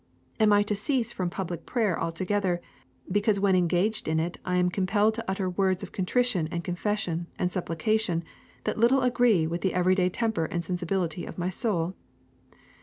Am I to cease from public prayer altogether because when engaged in it I am compelled to utter words of contrition and confession and supplication that little agree with the everyday temper and sensibility of my soul?